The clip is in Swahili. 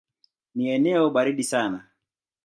Ni eneo baridi sana.